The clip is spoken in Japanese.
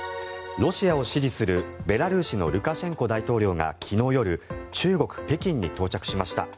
ロシアを支持するベラルーシのルカシェンコ大統領が昨日夜中国・北京に到着しました。